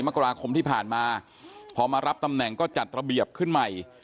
มกราคมที่ผ่านมาพอมารับตำแหน่งก็จัดระเบียบขึ้นใหม่